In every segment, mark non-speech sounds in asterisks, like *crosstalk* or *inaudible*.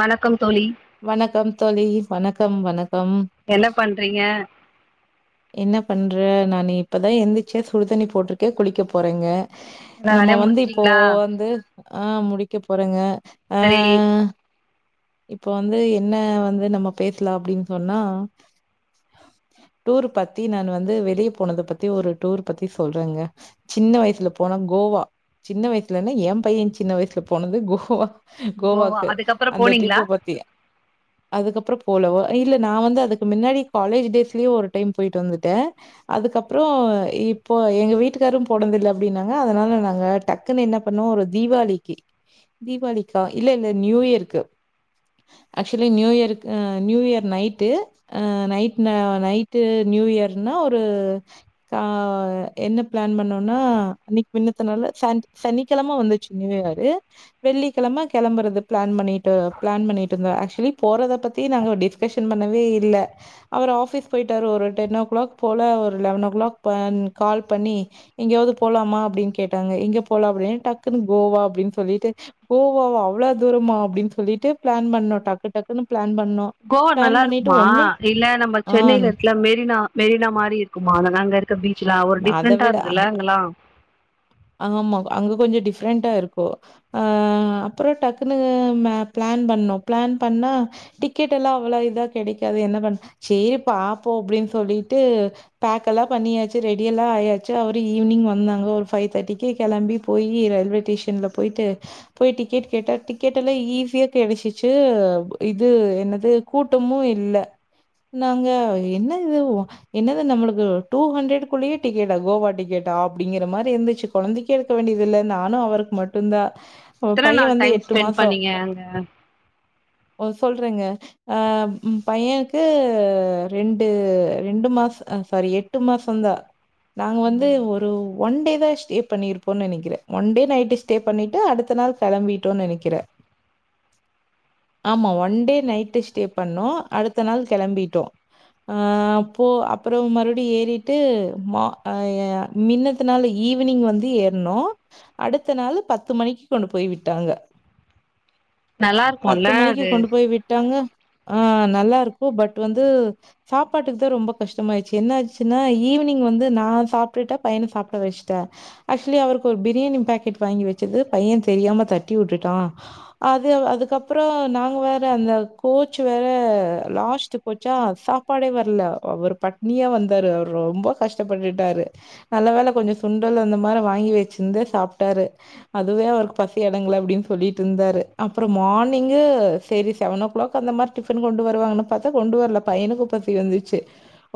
வணக்கம் தோழி வணக்கம் தோழி வணக்கம் வணக்கம் என்ன பண்றீங்க என்ன பண்ற நான் இப்பதா எந்திச்சு சுடுதண்ணி போட்டுட்டு குளிக்க போறேங்க எல்லா நம்ம வேலையு வந்து இப்போ முடிச்சுட்டீங்களா வந்து ஆ முடிக்க போறங்க சரி இப்ப வந்து என்ன வந்து நம்ம பேச்லா அப்டின்னு சொன்னா டூர் பத்தி நான் வந்து வெளியே போனத பத்தி ஒரு டூர் பத்தி சொல்றேங்க சின்ன வயசுல போன கோவா சின்ன வயசுலனா எ பைய சின்ன வயசுல போனது கோவா கோவா கோவாக்கு அதுக்கப்புறோ அந்த போனீங்களா ட்ரிப்பு பத்தி அதுக்கப்புறோ போலவோ இல்ல நா வந்து அதுக்கு முன்னாடி காலேஜ் டேஸ்லயே ஒரு டைம் போயிட்டு வந்துட்டே அதுக்கப்புறோ இப்போ எங்க வீட்டுக்காரு போனதுல்ல அப்டின்னாங்க அதனால நாங்க டக் குன்னு என்ன பண்ணோ ஒரு தீவாளிக்கு தீவாளிக்கா இல்ல இல்ல நியூ இயருக்கு actually new year new year night ஆ நைட் நா நை ட்டு நியூ இயர்னா ஒரு ஆ என்ன பிளான் பண்ணோனா அன்னைக்கு முனத்துனாலு சன் சனிக்கெழம வந்து ச்சு நியூ இயரு வெள்ளி கெழம கெளம்பறது பிளான் பண்ணிட்டு பிளான் பண்ணிட்ருந்தோ ஆக்சுவலி போறத பத்தி நாங்க டிஸ் கஷன் பண்ணவே இல்ல அவர் ஆஃபிஸ் போயிட்டார் ஒரு டென் ஓ கிளாக் போல ஒரு லெவன் ஓ கிளாக் ப கால் பண்ணி எங்கயாவுது போலாமா அப்டின்னு கேட்டாங்க எங்க போலா அப்டின்னா டக்குன்னு கோவா அப்டின்னு சொல்லிட்டு கோவாவா அவ்ளா தூரமா அப்டின்னு சொல்லிட்டு பிளான் பண்ணோ டக்கு டக்குன்னு பிளான் பண்ணோ கோவா நல்லா இருக்குமா இல்ல நம்ம ஆ. சென்னையில இருக்குல மெரினா மெரினா மாரி இருக்குமா அத நாங்க இரு பீச்செலா ஒரு அத டிஃப்ரெண்டா விட இருந்ததில்ல அங்கள்ளா ஆமா அங்க கொஞ்ச டிஃப்ரெண்டா ருக்கு அ அப்பறொ டக்குனு பிளான் பண்ணோ பிளான் பண்ணா டிக்கெட்டெல்லா அவ்வள இதா கெடக்காது என்ன பண்ண சேரி பாப்போ அப்டின்னு சொல்லிட்டு பேக்கெல்லா பண்ணியாச்சு ரெடியெல்லா ஆயாச்சு அவரு ஈவினிங் வந்தாங்க ஃபைவ் தேட்டிக்கே கெளம்பி போயி ரயில்வே ஸ்டேஷன்ல போய்ட்டு போய் டிக்கெட் கேட்டா டிக்கெட்டெல்லா ஈஸியா கெவிசுச்சு இது என்னது கூட்டமு இல்ல நாங்க என்ன இது என்னது நம்மளுக்கு டூ ஹண்ரடுகுள்ளயே டிக்கெட்டா கோவா டிக்கெட்டா அப்படிங்கிற மாரி இருந்துச்சு கொழந்தக்கி எடுக்க வேண்டியதில்ல நானு அவருக்கு மட்டுந்தா எத்தன நாள் டைம் ஸ்பெண்ட் பண்ணீங்க அங்க உ சொல்றேங்க அ பையனுக்கு ரெண்டு ரெண்டு மாச சாரி எட் எட்டு மாசந் தா நாங்க வந்து ம், ஒரு ஒன் டே டே ஸ்டே பண்ணிருப்போன்னு நெனக்கிற ஒன் டே நைட் ஸ்டே பண்ணிட்டு அடுத்த நாள் கெளம்பிட்டோன்னு நெனக்கிற ஆமா ஒன் டே நைட்டு ஸ்டே பண்ணோ அடுத்த நாள் கெளம்பிட்டோ அ அப்போ அப்பறொ மறுபடி ஏறிட்டு மா மின்னத்தனாலு ஈவினிங் வந்து ஏற்னோ அடுத்த நாள் பத்து மணிக்கு கொண்டு போய் விட்டாங்க நல்லா பத்து இருக்கும்ல மணிக்கு அது கொண்டு போய் விட்டாங்க ஆ நல்லாருக்கு பட் வந்து சாப்பாட்டுக்கு தா ரொம்ப கஷ்டமாய்ச்சு என்ன ஆச்சுன்னா ஈவினிங் வந்து நா சாப்டுட்ட பையன சாப்ட வச் ட்ட ஆக்சுவலி அவருக்கு ஒரு பிரியாணி பாக்கெட் வாங்கி வச்சது பையன் தெரியாம தட்டி விட்டுட்டா அது அதுக்கப்பற நாங்க வேற அந்த கோச் வேற லாஸ்ட்டு போச்சா சாப்பாடே வர்ல அவரு பட்னியா வந்தாரு அவர் ரொம்ப கஷ்டப்பட்டுட்டாரு நல்ல வேல கொஞ்ச சுண்டல் அந்த மாரி வாங்கி வச்சிர்ந்து சாப்டாரு அதுவே அவருக்கு பசி அடங்கள அப்டின்னு சொல்லிட்ருந்தாரு அப்பறொ மார்னிங்கு சரி செவன் னொ கிளாக் அந்த மாரி டிஃபன் கொண்டு வருவாங்கன்னு பாத்தா கொண்டு வர்ல பையனுக்கு பசி வந்துச்சு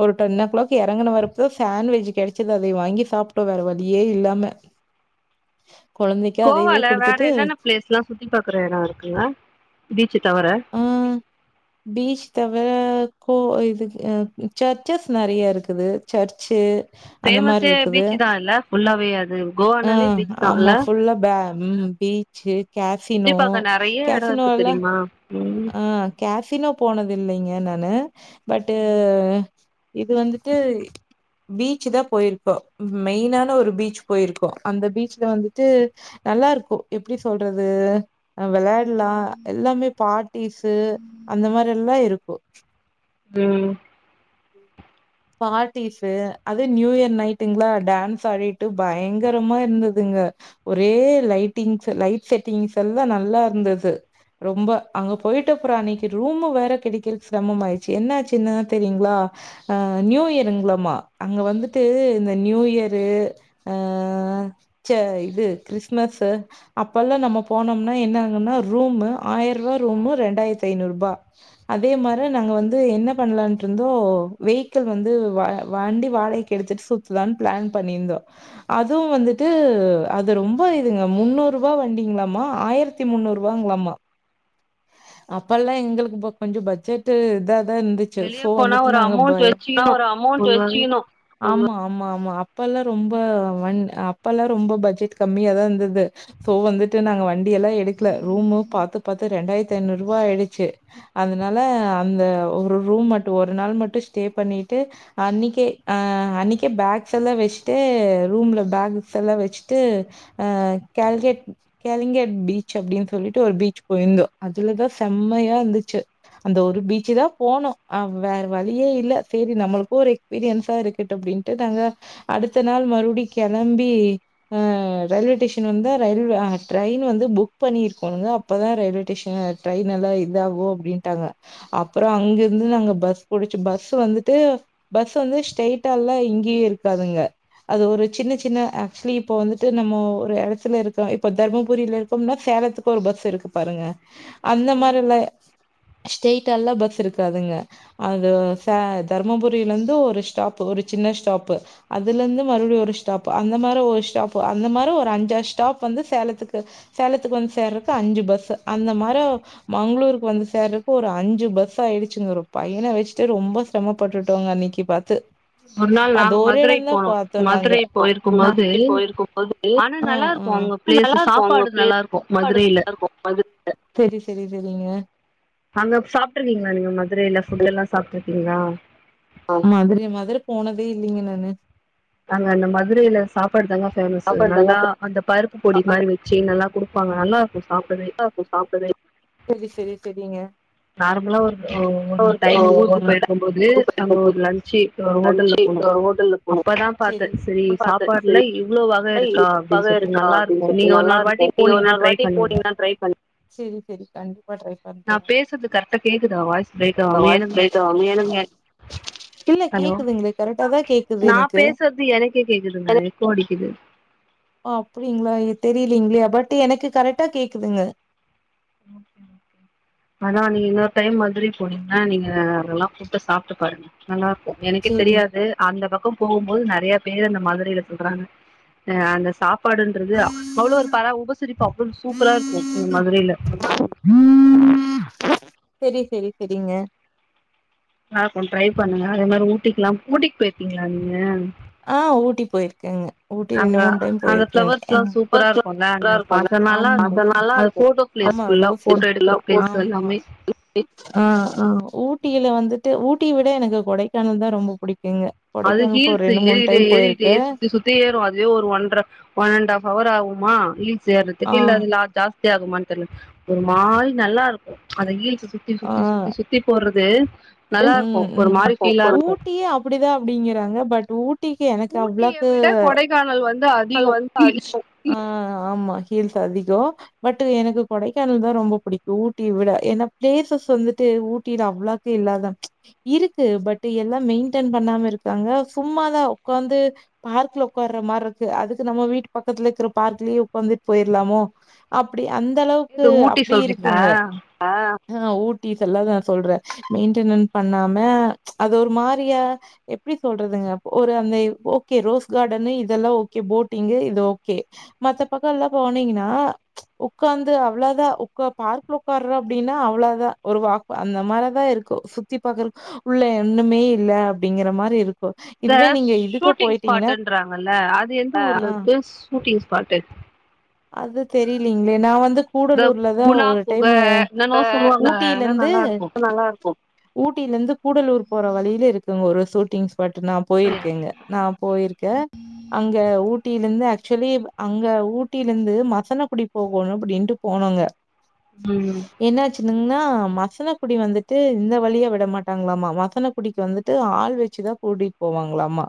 ஒரு டென்னொ கிளாக் எறங்குன வறப்போ சண்வெஜ் கெடச்சது அதய வாங்கி சாப் ட வேற வழியே இல்லாம குழந்தைக்கு அதையவே கோவால வேற கொடுத்துட்டு என்னென்ன பிளேஸ் லா சுத்தி பாக்குற எடொ இருக்குங்க பீச்சு தவர ஆஹ் பீச் தவர கோவ இது அ சர்ச்சஸ் நெறைய இருக்குது சர்ச்சு அந்த மாதிரி பேமஸே பீச்சு தா இல்ல ஃபுல்லாவே அது அ கோவானாலே பீச் தா ஆமா இல்ல புல்லா பே ம் பி ச்சு சுத்தி கேஃபினோ பாக்க நெறைய எடோ கேஃபினோ இருக்கு ல்லா தெரியுமா ம் ஆ கேஃபினோ போனது இல்லங்க நானு பட்டு ம் இது வந்துட்டு பீச்சு தா போயிருக்கோ மெயினான ஒரு பீச் போயிருக்கோ அந்த பீச்ல வந்துட்டு நல்லாருக்கு எப்டி சொல்றது அ வெளாயாட்லா எல்லாமே பார்ட்டிஸு அந்த மாரி எல்லா இருக்கு ம் பார்ட்டிஸூ அது நியூ இயர் நைட்டுங்ளா டான்ஸ் ஆடிட்டு பயங்கரமா இருந்ததுங்க ஒரே லைட்டிங்ஸ் லைட் செட்டிங்ஸ் எல்லா நல்லா இருந்தது ரொம்ப அங்க போயிட்டப்புறொ அன்னக்கு ரூமு வேற கெடைக்கிறது ஸ்ரமம் ஆயிச்சு என்ன ஆச்சுனு தெரியுங்ளா ஆ நியூ இயருங்களாமா அங்க வந்துட்டு இந்த நியூயரு ஆ இது கிறிஸ்மஸ்சு அப்ப எல்லா நம்ம போனோம்னா என்ன ஆகுன்னா ரூம் ஆயிர ரூபா ரூம்மு ரெண்டாயிரத்தி ஐநூறு ரூபா அதே மாரி நாங்க வந்து என்ன பண்ணலாட்டு இருந்தோ வெக்கிள் வந்து வண்டி வாடகைக்கி எடுத்துட்டு சுத்தலான்னு பிளான் பண்ணியிருந்தோ அதுவு வந்துட்டு அது ரொம்ப இதுங்க முன்னூறு ரூபா வண்டிங்களாமா ஆயிரத் தி முன்னூறு ரூபாங்களாமா அப்பெல்லா எங்களுக்கு ப்ப கொஞ்சோ பட்ஜெட் இதாதா இருந்துச்சு வெளிய சோ போனா வந்துட்டு ஒரு நாங்க அமௌண்ட் *unintelligible* ஆனா வச்சுக்கணு ஒரு அமௌண்ட் வெச்சிக்கணு ஆமா ஆமா ஆமா அப்பல்லா ரொம்ப அப்பல்லா ரொம்ப பட்ஜெட் கம்மியாதா இருந்தது சோ வந்துட்டு நாங்க வண்டி எல்லா எடுக்கல ரூமு பாத்து பாத்து ரெண்டாயிரத்தி ஐநூறு ரூபா ஆயிடுச்சு அதனால அந்த ஒரு ரூம் மட்டு ஒரு நாள் மட்டு ஸ்டே பண்ணிட்டு அன்னிக்கே ஆ அன்னிக்கே பேக்ஸ் எல்லா வெச்சுட்டு ரூம்ல பேக்ஸ் எல்லா வெச்சுட்டு ஆ கால்கேட் கேலிங்கேட் பீச் அப்டின்னு சொல்லிட்டு ஒரு பீச் போயிருந்தோ அதுலதா செம்மையா இருந்துச்சு அந்த ஒரு பீச் தா போனோ வேற வழியே இல்ல சேரி நம்மளுக்கு ஒரு எக்ஸ்பீரியன்ஸா இருக்குன்ட்டு அப்டின்ட்டு நாங்க அடுத்த நாள் மறுபடியு கெளம்பி ஆ ரயில்வே ஸ்டேஷன் வந்தா ரயில்வே டிரெயின் வந்து புக் பண்ணிருக்கோணுங்க அப்பதா ரயில்வே ஸ்டேஷன் டிரெயின் எல்லா இதாகு அப்டின்ட்டாங்க அப்றோ அங்க இருந்து நாங்க பஸ் புடிச்சு பஸ் சு வந்துட்டு பஸ்சு வந்து ஸ்ரெயிட்டால்லா எங்கேயு இருக்காதுங்க அது ஒரு சின்ன சின்ன ஆக்சுவலி இப்ப வந்துட்டு நம்ம ஒரு எடத்தில இருக்கோ இப்ப தர்மபுரியில இருக் க்கோம்னா சேலத்துக்கு ஒரு பஸ் இருக்கு பாருங்க அந்த மாரில்லா ஸ்ரெயிட்டால்லா பஸ்சு இருக்காதுங்க அது த தர்மபுரிலருந்து ஒரு ஸ்டாப்பு ஒரு சின்ன ஸ்டாப்பு அதுல இருந்து மறுபடியு ஒரு ஸ்டாப் அந்த மாரி ஒரு ஸ்டாப் அந்த மாரி ஒரு அஞ்சாறு ஸ்டாப் வந்து சேலத்துக்கு சேலத்துக்கு வந்து சேர்றக்கு அஞ்சு பஸ்சு அந்த மாரோ மங்களூருக்கு வந்து சேர்றக்கு ஒரு அஞ்சு பஸ் ஆயிடுச்சுங்க ஒரு பையன வெச்சுட்டு ரொம்ப சிரமப்பட்டுட்டோங்க அன்னிக்கி பாத்து ஒரு நாள் அது நாங்க ஒரு எடோ மதுரை தா போனோ பாத்தோ‌ நாங்க மதுரை போயிருக்கும் போது ஆனா நல்லா இருக்கு அங்க பிளேஸ் நல்லா சாப்பாடு இருக்கு நல்லா இருக்கு மதுரையில *unintelligible* செரி செரி செரிங்க அங்க சாப்ட்டு இருக்கீங்களா நீங்க மதுரையில்ல ஃபுட் எல்லா சாப்ட்டு இருக்கீங்களா மதுர மதுர போனதே இல்லிங்க நானு அங்க அந்த மதுரையில சாப்பாடு தாங்க பேமஸ்சு நல்லா அந்த பருப்பு பொடி மாரி நல்லா வெச் ச்சு குடுப்பாங்க நல்லா இருக்கு சாப்ட்டவே செரி செரி செரிங்க நார்மலாக ஒரு ஒரு டைம் ஊருக்கு ஒரு போயிருக்கும்போது டைம் அங்க போயிருக்கோ ஒரு லன்ச்சு ஒரு ஹோட்டல்ல லன்ச்சு போனோ ஒரு ஹோட்டல்ல போனோ அப்பதா பாத்தே செரி பாத்தே சாப்பாடுல செரி இவ்ளோ வக இருக்கா அப்படின்னு இதுக்காக சொல்ட்டு இருக்கா நல்லா அப்டின்னு இருக்கு நீங்க சொல்லிட்டு ஒரு நல்லா நாள் ஒரு வாட்டி இருக்கு நீங்க போனீங்கன்னா இன்னொரு ட்ரை வாட்டி பண்ணுங்க போனீங்கன்னா செரி செரி கண்டிப்பா ட்ரை பண் நா பேசுறது கரெக்டா கேக்குதா வாய்ஸ் பிரேக் ஆகாம வாய்ஸ் எனக்கு ப்ரேக் ஆவுது *inaudible* இல்ல கேக்குதுங்களே கரெக்டா தா கேக்குது எனக்கு பேசறது எனக்கே கேக்குதுங்க எகோ அடிக்குது அப்டிங்ளா தெரிலிங்ளே பட் எனக்கு கரெக்டா கேக்குதுங்க ஓகே ஓகே அதா நீங்க இன்னொரு டைம் மதுரை போனீங்னா நீங்க அதெல்லா ஃபுட்ட சாப்ட்டு பாருங்க நல்லாருக்கு எனக்கே சேரி தெரியாது அந்த பக்கோ போகும்போது நெறையா பேர் அந்த மதுரைல சொல்றாங்க அ அந்த சா ப்பாடுன்றது அவ்ளோ ஒரு பரா உபசரிப்பு அவ்ளோ சூப்பரா இருக்கு மதுரைல செரி செரி செரிங்க நல்லாருக்கு ட்ரை பண்ணுங்க அதே மாரி ஊட்டிக்கலா ஊட்டிக்கு போயிருக்கீங்ளா நீங்க ஆ ஊட்டி போயிருக்கங்க ஊட்டி ரெண்டு அங்க மூணு டைம் அந்த போயிருக்கங்க ஃப்ளவர்ஸ்லா எங் சூப்பரா இருக்குல்ல அங்க *inaudible* போல பாக்க நல்லா ஆமா இருக்கு அது நல்லா இருக்கு போட்டோ பிளேஸ் ஆமா ஃபுல்லா போட்டோ ரோஸ்தா எடுக்கிற பிளேஸ் ஆமா எல்லாமே ஆ ஆ ஊட்டில வந்துட்டு ஊட்டிய விட எனக்கு கொடைக்கானல்தா ரொம்ப புடிக்குங்க கொடைக்கானல் போ செ ஏறு ஏறிட்டே சுத்தி சுத்தி ஏறு அதுவே ஒரு ஒன்ற ஒன் அண்ட் ஆஃப் ஹவர் ஆகுமா ஹில்ஸ் ஆ ஏறதுக்கு இல்ல அதுல ஜா ஸ்தி ஆகுமான்னு தெர்ல ஒரு மால் நல்லாருக்கு அத ஹுல்ஸ சுத்தி ஆ சுத்தி சுத்தி சு த்தி போறது நல்லாருக்கு ம் ஒரு மாரி ம் ஃபீலா இருக்கு ஊட்டியே அப்டிதா அப்டிங்கிறாங்க பட் ஊ ட்டிக்கு எனக்கு ஊட்டிய அவ்ளக்கு விட கொடைக்கானல் வந்து அதிகோ *inaudible* ஹீல்ஸ் அடிக்கு அ ஆமா ஹீல்ஸ் அதிகோ பட் எனக்கு கொடைக்கானல்தா ரொம்ப புடிக்கு ஊட்டிய விட ஏனா பிளேசஸ் வந்துட்டு ஊட்டில அவ்ளக்கா இல்லா இருக்கு பட் எல்லா மெய்ன்டென் பண்ணாம இருக்காங்க சும்மாதா உக்காந்து பார்க்ல உக்காற மாருக்கு அதுக்கு நம்ம வீட்டு பக்கத்துல இருக்கற பார்க்லயே உக்காந்துட்டு போயிரலாமோ அப்டி அந்த அளவுக்கு இது ஊட்டி அப்டி சொல்றீங்களா இருக்குங்க ஆ ஊட்டி செல்லாதா நா சொல்ற மெய்ன் மெயின்டனு பண்ணாம அது ஒரு மாரியா எப்டி சொல்றதுங்க ஒரு அந்த ஓகே ரோஸ் கார்டனு இதெல்லா ஓகே போட்டிங்கு இது ஓகே மத்த பக்கோ எல்லா போனீங்னா உக்காந்து அவ்ளதா உக்கா பார்க்ல உக்கார்ற அப்டினா அவ்ளதா ஒரு வாக்கு அந்த மாரதா இருக்கு கோ சுத்தி பாக்கற உள்ள ஒண்ணமே இல்ல அப்டிங்கற மாரி இரு இந்த சூட்டிங் ஸ்பாட்டுன்றாங்கல்ல அது எந்த ஊர்ல ஆ இருக்கு சூட்டிங் ஸ்பாட் அது தெரிலீங்ளே நா வந்து இந்த கூடலூர்லதா குணா ஒரு குக டைமு என்னன்னோ அ சொல்லுவாங்க ஊட்டில ஆனா இருந்து நல்லா இருக்கு நல்லாஇருக்கு ஊட்டிலிந்து கூடலூர் போற வழில இருக்குங்க ஒரு சூட்டிங் ஸ்பாட்டு் நா போயிருக்கேங்க நா போயிருக்கேன் அங்க ஊட்டிலிந்து ஆக்சுவலி அங்க ஊட்டிலிந்து மசனக்குடி போகோணு அப்டின்ட்டு போனோங்க ம் என்னாச்சுன்ங்கனா மசன குடி வந்துட்டு இந்த வழியா விட மாட்டாங்ளாமா மசன குடிக்கு வந்துட்டு ஆள் வெச்சுதா கூட்டிட்டு போவாங்ளாமா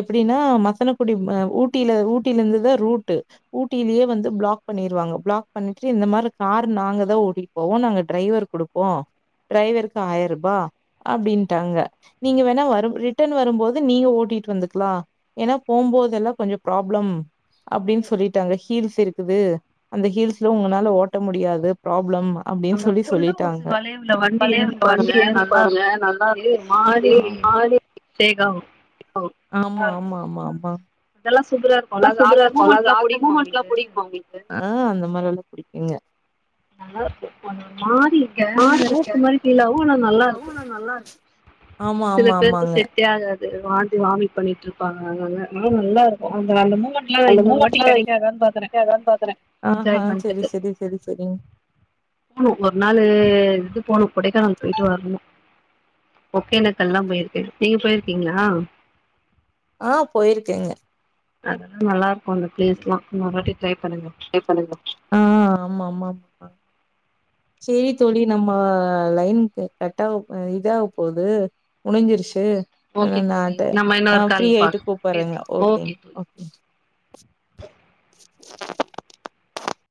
எப்டினா மசனக்குடி ஊட்டில ஊட்டிலிந்துதா ரூட்டு ஊட்டிலயே வந்து பிளாக் பண்ணிருவாங்க பிளாக் பண்ணிட்டு இந்த மாரி கார் நாங்கதா ஓட்டிட்டு போவோ நாங்க டிரைவர் குடு ஓ டிரைவருக்கு ஆயிருபா அப்டின்ட்டாங்க நீங்க வேணா வரும் ரிட்டன் வரும்போது நீங்க ஓட்டிட்டு வந்துக்லா ஏனா போம்போதெல்லா கொஞ்சோ ப்ராப்ளம் அப்டின்னு சொல்லிட்டாங்க ஹீல்ஸ் இருக்குது அந்த ஹீல்ஸ்ல உங்கனால ஓட்ட முடியாது ப்ராப்ளம் அப்டின்னு அந்த சொல்லி கொண்ட ஊசி சொல்லிட்டாங்க வளைவுல வண்டி ஏறும் பாருங்க வண்டி ஏறும் நல்லா பாருங்க இருக்கு நல்லா இருக்கு ஆ ஸ்டே கவ் ஆமா ஆமா ஆமா ஆமா அதெல்லா சூப்பரா இருக்கு இதா அழகா அந்த மூமெண்ட்லா புடிக்குமா *unintelligible* உங்களுக்கு புடிக்கு அப்டினு ஆ அந்த மாரியெல்லா புடிக்குங்க மாரி இருக்க வேற ஆடிருக்கே இருக்க மாரி பீல் ஆவு ஆனா நல்லா அதுவும் இருக்கு ஆனா நல்லா இரு சில பேருக்கு செட்டே ஆகாது வாந்தி வாமிட் பண்ணிட்ருப்பாங்க அங்க அங்க நா அந்த இன்னொரு வாட்டி மூமெண்ட்லா இருந்துச்சா கெடைக்காதான்னு பாக்குறே என்ஜாய்மெண்டக்கு தே செரி செரி செரிங் போனு ஒரு நாளு இது போணு கொடைக்கானல் பொயிட்டு வரணு ஓக்கேனக் எல்லா போயிருக்கேங்க நீங்க போயிருக்கீங்களா ஆ போயிருக்கேங்க அதல்லா நல்லா இருக்கு அந்த பிளேஸ்லா இன்னோரு வாட்டி ட்ரை பண்ணுங்க ஆ ஆ ஆமா ஆமா ஆம் சேரி தோழி நம்ம லைன் கட்டாகப் இதாகப் போது முடிஞ்சிருச்சு ஓகே இந்த தோழி அட்ட நம்ம ஆ இன்னொரு ஃப்ரீ கால்ல ஆயிட்டு பாக் கூப்பட்றேங்க பேசலா ஓகே தோழி ஓகேங்க